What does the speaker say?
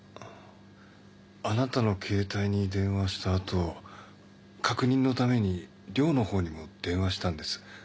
あなたのケータイに電話したあと確認のために寮のほうにも電話したんです。